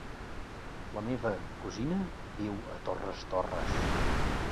La meva cosina viu a Torres Torres.